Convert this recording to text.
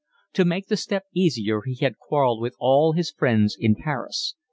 To make the step easier he had quarrelled with all his friends in Paris.